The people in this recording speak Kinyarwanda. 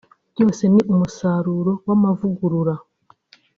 byose ni umusaruro w’amavugurura